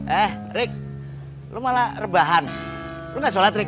eh rick lu malah rebahan enggak sholat rig